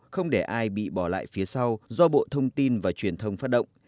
không để ai bị bỏ lại phía sau do bộ thông tin và truyền thông phát động